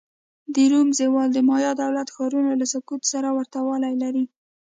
د روم زوال د مایا دولت ښارونو له سقوط سره ورته والی لري.